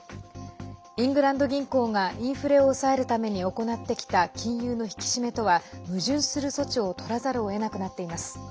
イングランド銀行がインフレを抑えるために行ってきた金融の引き締めとは矛盾する措置をとらざるをえなくなっています。